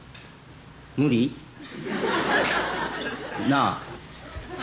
無理？なあ？